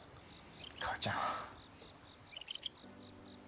母ちゃん。